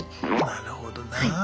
なるほどな。